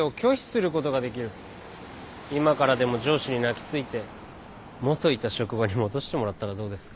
今からでも上司に泣き付いて元いた職場に戻してもらったらどうですか？